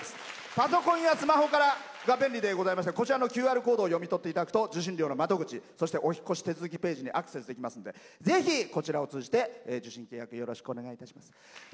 パソコンやスマホが便利でございましてこちらのＱＲコードを読み取っていただくと受信料の窓口そしてお引っ越し手続きページにアクセスできますのでぜひ、こちらを通じて受信契約よろしくお願いします。